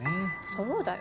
そうだよ。